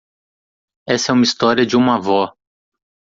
Essa é uma história de uma avó.